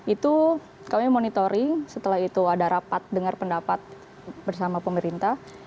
itu kami monitoring setelah itu ada rapat dengar pendapat bersama pemerintah